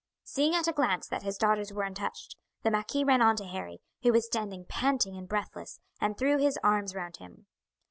Seeing at a glance that his daughters were untouched, the marquis ran on to Harry, who was standing panting and breathless, and threw his arms round him.